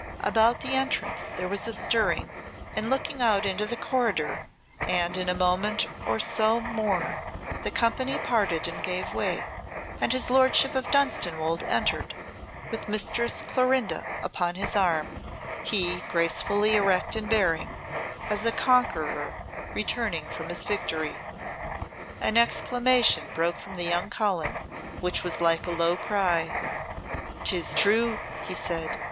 About the entrance there was a stirring and looking out into the corridor, and in a moment or so more the company parted and gave way, and his Lordship of Dunstanwolde entered, with Mistress Clorinda upon his arm; he, gracefully erect in bearing, as a conqueror returning from his victory. An exclamation broke from the young Colin which was like a low cry. "Tis true!" he said.